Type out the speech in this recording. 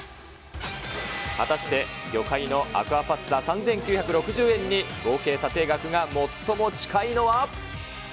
果たして魚介のアクアパッツァ３９６０円に、合計査定額が最も近いのは。